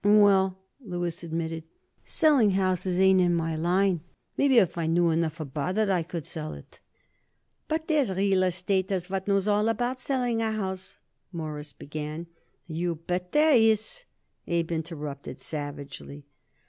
"Well," Louis admitted, "selling houses ain't in my line? Maybe if I knew enough about it I could sell it." "But there's real estaters what knows all about selling a house," Morris began. "You bet there is," Abe interrupted savagely.